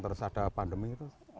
terus ada pandemi itu